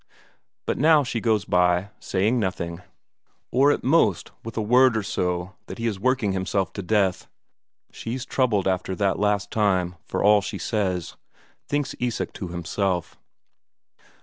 But now, she goes by, saying nothing, or at most with a word or so that he is working himself to death. "She's troubled after that last time, for all she says," thinks Isak to himself.